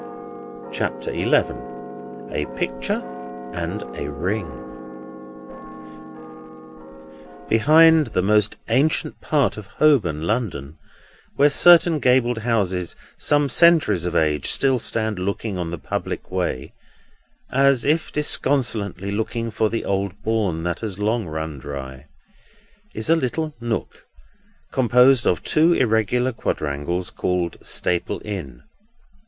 CHAPTER XI. A PICTURE AND A RING Behind the most ancient part of Holborn, London, where certain gabled houses some centuries of age still stand looking on the public way, as if disconsolately looking for the Old Bourne that has long run dry, is a little nook composed of two irregular quadrangles, called Staple Inn.